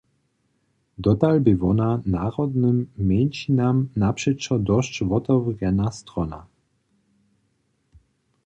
Dotal bě wona narodnym mjeńšinam napřećo dosć wotewrjena strona.